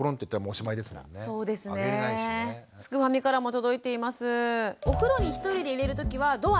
すくファミからも届いています。